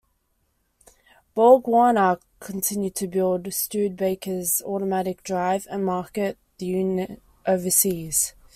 Borg-Warner continued to build Studebaker's Automatic Drive and market the unit overseas.